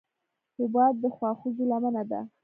هېواد د خواخوږۍ لمنه ده.